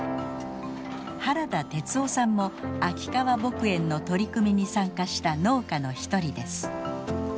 原田鉄男さんも秋川牧園の取り組みに参加した農家の一人です。